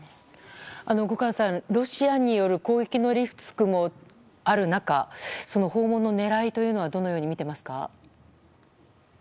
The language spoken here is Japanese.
後閑さん、ロシアによる攻撃のリスクもある中訪問の狙いはどのようにみていますか。